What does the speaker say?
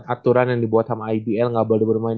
aturan yang dibuat sama ibl nggak boleh bermain